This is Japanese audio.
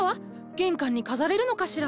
玄関に飾れるのかしら？